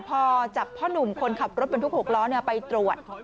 พอจับพ่อหนุ่มคนขับรถเป็นทุกหกล้อเนี้ยไปตรวจ